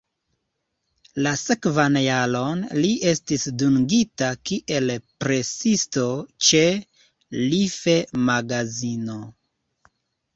La sekvan jaron li estis dungita kiel presisto ĉe "Life"-magazino.